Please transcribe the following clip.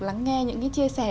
lắng nghe những cái chia sẻ